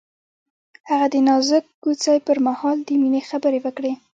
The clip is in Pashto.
هغه د نازک کوڅه پر مهال د مینې خبرې وکړې.